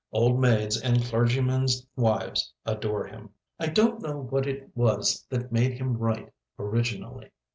Old maids and clergymen's wives adore him. I don't know what it was that made him write originally.